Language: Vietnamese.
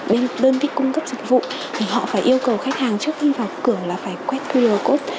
bên đơn vị cung cấp dịch vụ thì họ phải yêu cầu khách hàng trước khi vào cửa là phải quét qr code